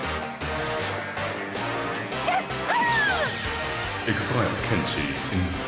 ヒャッハ！